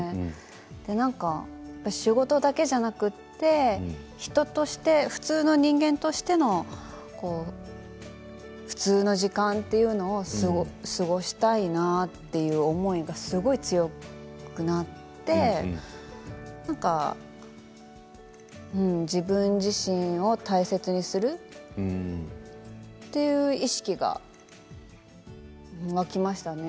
それで何か仕事だけではなくて人として普通の人間としての普通の時間というのを過ごしたいなとそういう思いがすごく強くなってきて自分自身を大切にするそういう意識が湧きましたね。